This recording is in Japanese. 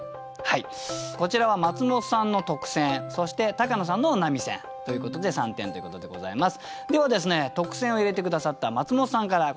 こちらは松本さんの特選そして高野さんの並選ということで３点ということでございます。